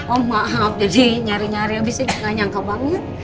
oh maaf jadi nyari nyari habis ini gak nyangka banget